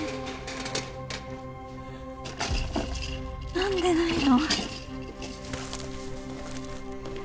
何でないの？